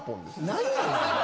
何やねん。